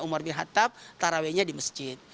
umar bin hattaf taraweehnya di masjid